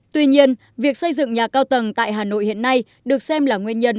tuy nhiên việc xây dựng nhà cao tầng tại hà nội hiện nay được xem là nguyên nhân